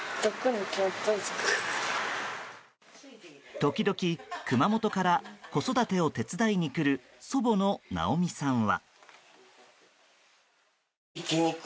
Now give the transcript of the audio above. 時々熊本から子育てを手伝いに来る祖母の尚美さんは。